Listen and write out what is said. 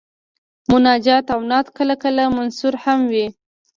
مناجات او نعت کله کله منثور هم وي.